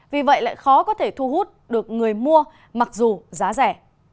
vì vậy lại khó có thể thu hút được người mua mặc dù giá rẻ